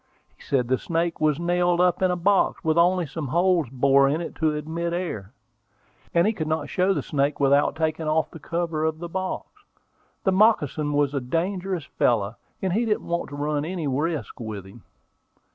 He said the snake was nailed up in a box, with only some holes bored in it to admit the air; and he could not show the snake without taking off the cover of the box. The moccasin was a dangerous fellow, and he didn't want to run any risks with him.